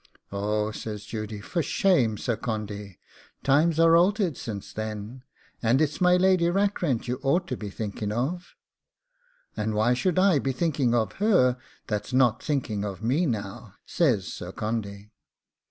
'Oh!' says Judy, 'for shame, Sir Condy; times are altered since then, and it's my Lady Rackrent you ought to be thinking of.' 'And why should I be thinking of her, that's not thinking of me now?' says Sir Condy.